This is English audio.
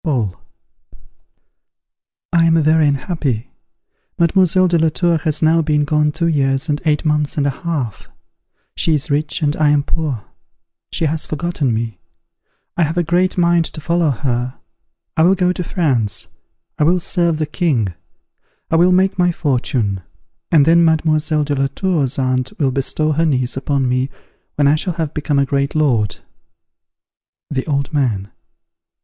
Paul. I am very unhappy. Mademoiselle de la Tour has now been gone two years and eight months and a half. She is rich, and I am poor; she has forgotten me. I have a great mind to follow her. I will go to France; I will serve the king; I will make my fortune; and then Mademoiselle de la Tour's aunt will bestow her niece upon me when I shall have become a great lord. _The Old Man.